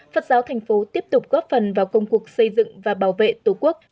phật giáo thành phố tiếp tục góp phần vào công cuộc xây dựng và bảo vệ tổ quốc